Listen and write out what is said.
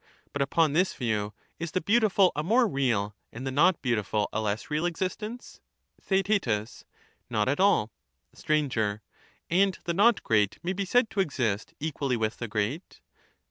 But upon this view, is the beautiful a more real and the not beautiful a less real existence ? Theaet. Not at all. Str. And the not great may be said to exist, equally with 258 the great